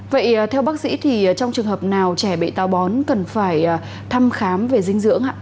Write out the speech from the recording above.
vậy theo bác sĩ thì trong trường hợp nào trẻ bị tàu bón cần phải thăm khám về dinh dưỡng ạ